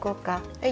はい。